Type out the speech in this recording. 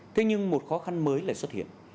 thế nhưng một khó khăn mới lại xuất hiện